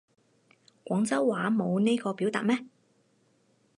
廣州話冇呢個表達咩